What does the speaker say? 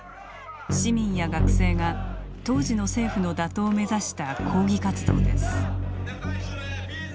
市民や学生が当時の政府の打倒を目指した抗議活動です。